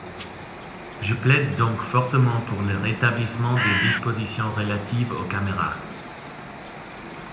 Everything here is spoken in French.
Je plaide donc fortement pour le rétablissement des dispositions relatives aux caméras.